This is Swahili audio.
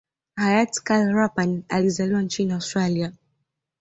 hayati Karl Rapan alizaliwa nchini Australia